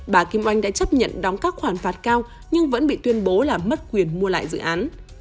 bà kim oanh đã chấp nhận đóng các khoản phạt cao nhưng vẫn bị tuyên bố là mất quyền mua lại dự án